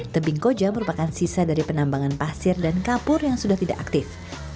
tebing koja merupakan sisa dari penambangan pasir dan kapur yang sudah tidak aktif